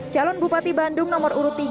calon bupati bandung nomor urut tiga